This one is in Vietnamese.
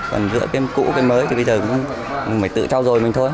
còn giữa cái cũ cái mới thì bây giờ cũng phải tự trao dồi mình thôi